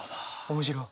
面白い。